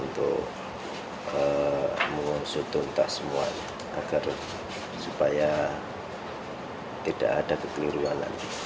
untuk mengusutuntas semua agar supaya tidak ada keturunan